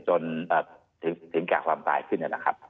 จนถึงแก่ความตายขึ้นนะครับ